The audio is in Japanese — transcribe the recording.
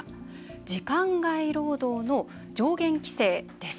時間外労働の上限規制です。